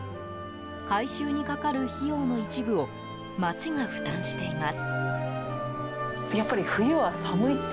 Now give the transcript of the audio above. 改修にかかる費用の一部を町が負担しています。